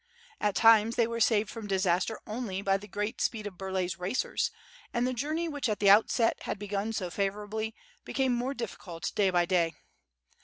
At times they were saved from disaster only by the great speed of Burlay's racers, and the journey which at the outset had begun so favorably, became more difficult day by day.